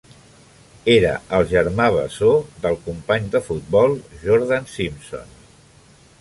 Era el germà bessó del company de futbol Jordan Simpson.